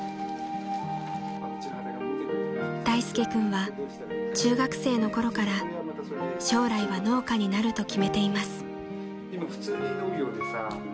［大介君は中学生のころから将来は農家になると決めています］